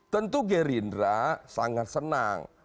tentu gerindra sangat senang